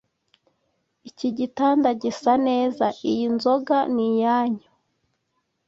Iki gitanda gisa neza. Iyi nzoga ni iyanyu.